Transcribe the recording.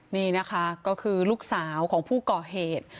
นี่นะคะก็คือลูกสาวของผู้ก่อเหตุ